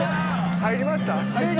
［入りました？］